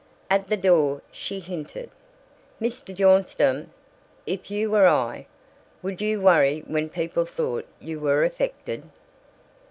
At the door, she hinted: "Mr. Bjornstam, if you were I, would you worry when people thought you were affected?"